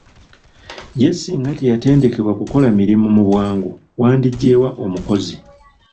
Ye singa teyatendekebwa kukola mirimu mu bwangu wandigye wa omukozi?